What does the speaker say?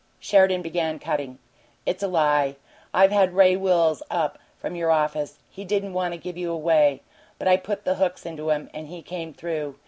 Sheridan began cutting. "It's a lie. I've had Ray Wills up from your office. He didn't want to give you away, but I put the hooks into him, and he came through.